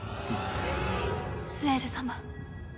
スエル様。